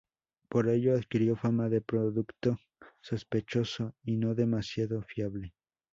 Por ello, adquirió fama de producto sospechoso y no demasiado fiable.